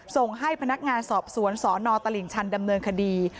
ส่งให้พนักงานสอบสวนสนตลิ่งชันดำเนินคดี